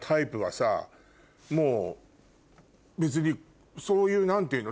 もう別にそういう何ていうの？